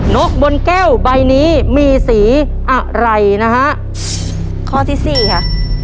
นกบนแก้วใบนี้มีสีอะไรนะฮะข้อที่สี่ค่ะ